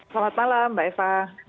selamat malam mbak eva